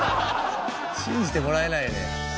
信じてもらえないよね。